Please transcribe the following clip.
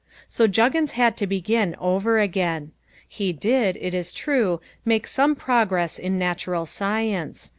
So Juggins had to begin over again. He did, it is true, make some progress in natural science.